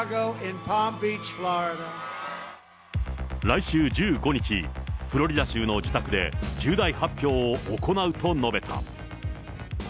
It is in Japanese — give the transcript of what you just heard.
来週１５日、フロリダ州の自宅で、重大発表を行うと述べた。